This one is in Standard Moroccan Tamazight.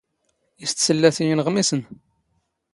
ⵉⵙ ⵜⵙⵍⵍⴰⴷ ⵉ ⵉⵏⵖⵎⵉⵙⵏ?